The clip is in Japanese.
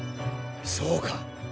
そうか。